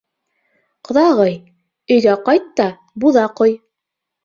Ҡоҙағый, өйгә ҡайт та буҙа ҡой!